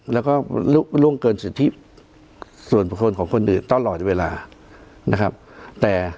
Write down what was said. แล้วก็ร่วงเกินสิทธิส่วนประคาของคนอื่นต้อนรอดเวลา